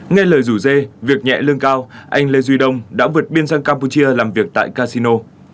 nghe lời rủ dê việc nhẹ lương cao anh lê duy đông đã vượt biên sang campuchia làm việc tại casino